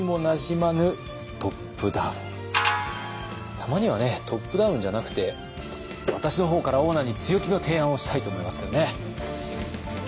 たまにはねトップダウンじゃなくて私の方からオーナーに強気の提案をしたいと思いますけどね。